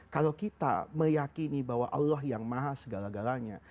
kalau kita meyakini bahwa allah yang maha segala galanya